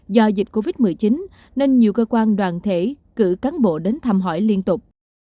do dịch covid một mươi chín nên nhiều cơ quan đoàn thể cử cán bộ đến thăm hỏi liên tục